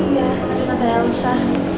iya aku nantai elsa